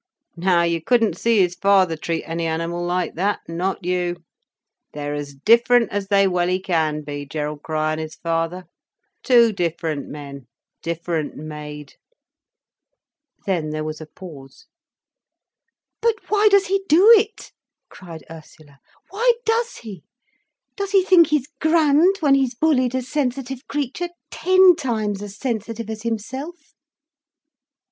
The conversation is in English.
Now you couldn't see his father treat any animal like that—not you. They're as different as they welly can be, Gerald Crich and his father—two different men, different made." Then there was a pause. "But why does he do it?" cried Ursula, "why does he? Does he think he's grand, when he's bullied a sensitive creature, ten times as sensitive as himself?"